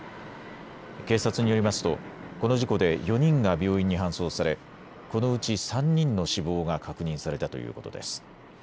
警察によりますとこの事故で４人が病院に搬送されこのうち３人の死亡が確認されたということです。